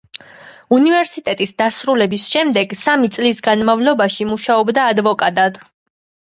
უნივერსიტეტის დასრულების შემდეგ სამი წლის განმავლობაში მუშაობდა ადვოკატად.